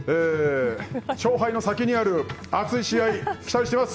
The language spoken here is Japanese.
勝敗の先にある熱い試合期待してます！